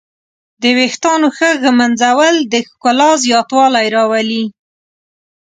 د ویښتانو ښه ږمنځول د ښکلا زیاتوالی راولي.